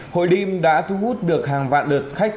hội điêm đã thu hút được hàng vạn đợt khách